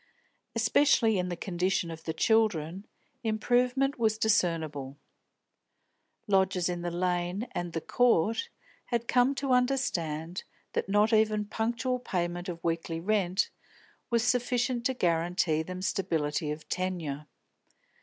Especially in the condition of the children improvement was discernible. Lodgers in the Lane and the Court had come to understand that not even punctual payment of weekly rent was sufficient to guarantee them stability of tenure.